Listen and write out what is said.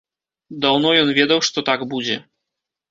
Даўно ён ведаў, што так будзе.